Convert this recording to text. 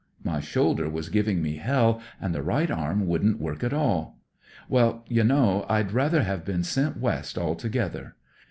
My shoulder was giving me hell, and the right arm wouldn't work at all. Well, you know, I'd rather have been sent West altogether.